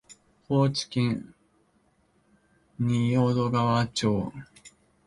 高知県仁淀川町